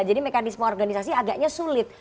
jadi mekanisme organisasi agaknya sulit